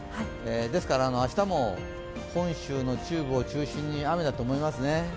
ですから明日も本州の中部を中心に雨だと思いますね。